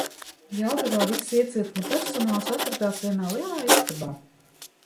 Jelgavā viss iecirkņa personāls atradās vienā lielā istabā.